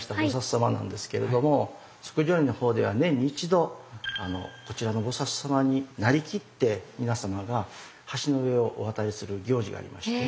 菩様なんですけれども即成院の方では年に一度こちらの菩様になりきって皆様が橋の上をお渡りする行事がありまして。